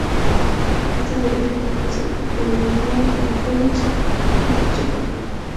Este sería el único set que perdería Janković en dicho torneo.